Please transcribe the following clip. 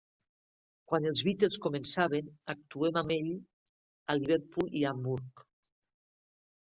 Quan els Beatles començaven, actuem amb ell a Liverpool i Hamburg.